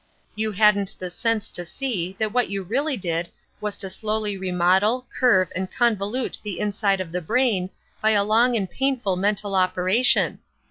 You hadn't the sense to see that what you really did was to slowly remodel, curve and convolute the inside of the brain by a long and painful mental operation.